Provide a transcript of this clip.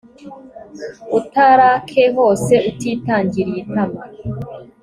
utarake hose utitangiriye itama